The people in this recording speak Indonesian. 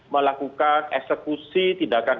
melakukan eksekusi tindakan